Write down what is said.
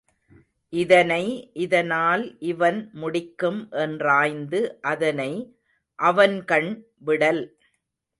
இதனை இதனால் இவன்முடிக்கும் என்றாய்ந்து அதனை அவன்கண் விடல்.